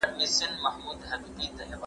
لومړی پر خپل مسلک برلاسي شئ.